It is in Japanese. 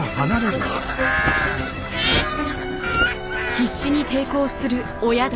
必死に抵抗する親鳥。